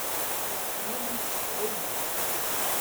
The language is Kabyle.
Tlulemt-d s teqbaylit.